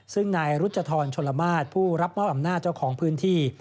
ซึ่งนายรุจทรชนลมาตรผู้รับมอบอำนาจเจ้าของพื้นที่